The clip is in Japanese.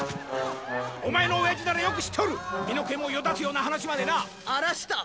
お前の親父ならよく知っとる身の毛もよだつような話までなアラスター！